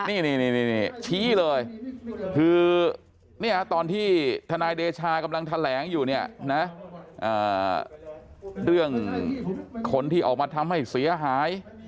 นี่ชี้เลยคือตอนที่ทนายเดชากำลังแถลงอยู่เนี่ยนะเรื่องคนที่ออกมาทำให้เสียหาย